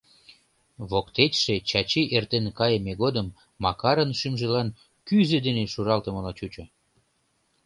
Воктечше Чачи эртен кайыме годым Макарын шӱмжылан кӱзӧ дене шуралтымыла чучо.